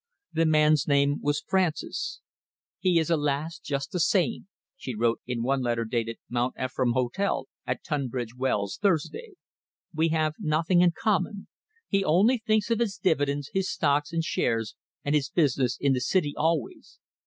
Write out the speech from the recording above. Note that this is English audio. The man's name was Francis. "He is, alas! just the same," she wrote in one letter dated "Mount Ephraim Hotel, at Tunbridge Wells, Thursday": "We have nothing in common. He only thinks of his dividends, his stocks and shares, and his business in the City always.